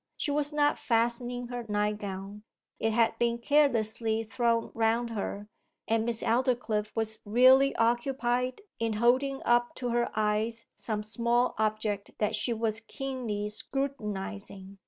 She was not fastening her night gown; it had been carelessly thrown round her, and Miss Aldclyffe was really occupied in holding up to her eyes some small object that she was keenly scrutinizing.